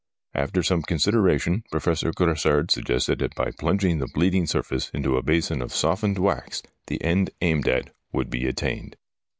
After some consideration Professor Grassard suggested that by plunging the bleeding surface into a basin of softened wax the end aimed at would be attained.